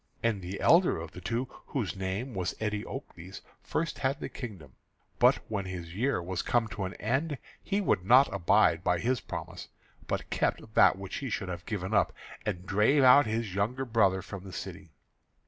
And the elder of the two, whose name was Eteocles, first had the kingdom; but when his year was come to an end, he would not abide by his promise, but kept that which he should have given up, and drave out his younger brother from the city.